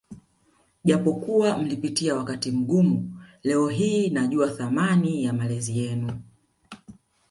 Japokuwa mlipitia wakati mgumu leo hii najua thamani ya malezi yenu